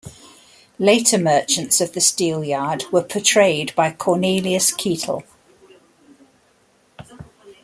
Later merchants of the Steelyard were portrayed by Cornelis Ketel.